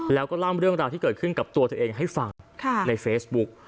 แล้วก็เล่าเรื่องราวที่เกิดขึ้นกับตัวตัวเองให้ฟังในเฟซบุ๊ก